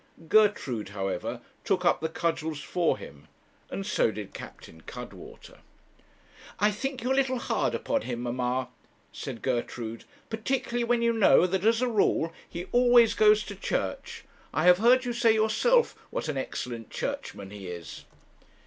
Gertrude, however, took up the cudgels for him, and so did Captain Cuttwater. 'I think you are a little hard upon him, mamma,' said Gertrude, 'particularly when you know that, as a rule, he always goes to church. I have heard you say yourself what an excellent churchman he is.'